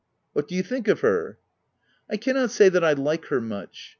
* What do you think of her ?"" I cannot say that I like her much.